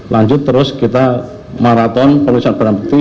lanjut terus kita maraton pemeriksaan barang bukti